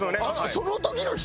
その時の人！？